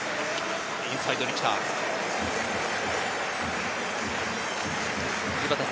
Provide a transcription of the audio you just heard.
インサイドに来ました。